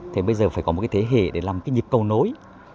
thế bây giờ phải có một cái thế hệ để làm cái nhịp cầu nối